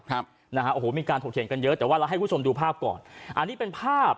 ครับนะฮะโอ้โหมีการโถ่เถียงกันเยอะแต่ว่าเราให้ผู้ชมดูภาพก่อน